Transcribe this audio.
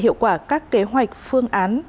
hiệu quả các kế hoạch phương án